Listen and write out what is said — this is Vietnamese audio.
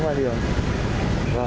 rồi rất là cảm ơn